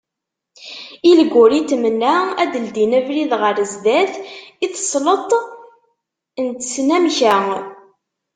Ilguritmen-a, ad d-ldin abrid ɣer sdat i tesleḍt n tesnamka.